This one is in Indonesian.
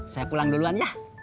saya pulang duluan ya